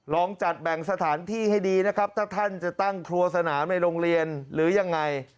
ลองจัดแบ่งสถานที่ให้ดีนะครับถ้าท่านจะตั้งครัวสนามในโรงเรียนหรือยังไง